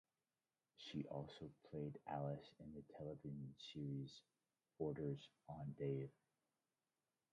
She also played Alice the television series "Porters" on Dave.